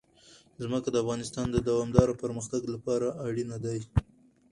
ځمکه د افغانستان د دوامداره پرمختګ لپاره اړین دي.